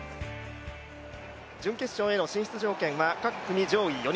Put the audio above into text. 準決勝への進出条件は、各組上位４人。